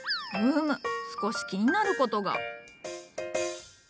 うむ少し気になることが。